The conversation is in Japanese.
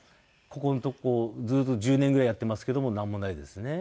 ここのとこずっと１０年ぐらいやってますけどもなんもないですね。